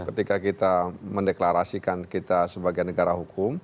ketika kita mendeklarasikan kita sebagai negara hukum